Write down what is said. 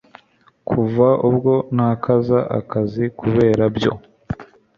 kuva ubwo ntakaza akazi kubera byo